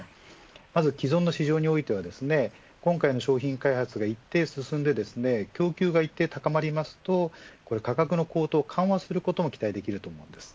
まず既存の市場においては商品開発が一定進んで供給が一定高まると価格の高騰を緩和することが期待できます。